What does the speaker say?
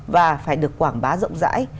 và phải được quảng bá rộng rãi